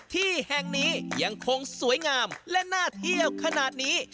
ที่แห่งนี้ยังคงสวยงามและน่าเที่ยวขนาดนี้